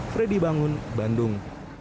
fredy bangun bandung